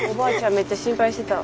めっちゃ心配してたわ。